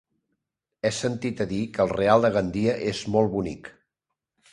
He sentit a dir que el Real de Gandia és molt bonic.